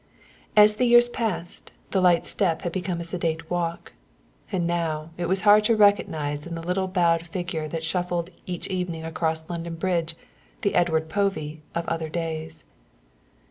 As the years passed, the light step had become a sedate walk, and now it was hard to recognize in the little bowed figure that shuffled each evening across London Bridge the Edward Povey of other days.